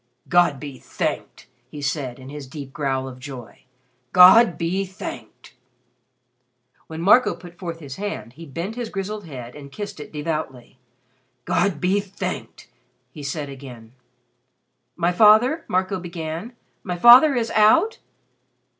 "God be thanked!" he said in his deep growl of joy. "God be thanked!" When Marco put forth his hand, he bent his grizzled head and kissed it devoutly. "God be thanked!" he said again. "My father?" Marco began, "my father is out?"